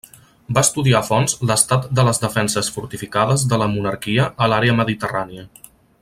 Va estudiar a fons l'estat de les defenses fortificades de la monarquia a l'àrea mediterrània.